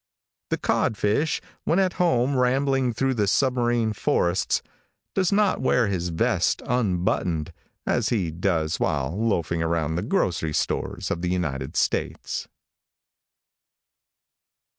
The codfish, when at home rambling through the submarine forests, does not wear his vest unbuttoned, as he does while loafing around the grocery stores of the United States.